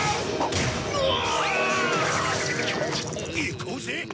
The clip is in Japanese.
行こうぜ！